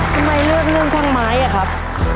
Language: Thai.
ทำไมเลือกเรื่องช่างไม้อะครับ